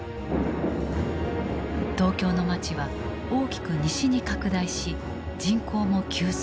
東京の街は大きく西に拡大し人口も急増。